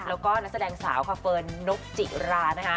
แล้วก็นักแสดงสาวค่ะเฟิร์นนกจิรานะคะ